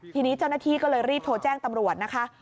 ทีนี้เจ้าหน้าที่ก็เลยรีบโทรแจ้งตำรวจนะคะ